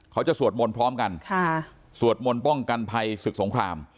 สวดมนต์พร้อมกันสวดมนต์ป้องกันภัยศึกสงคราม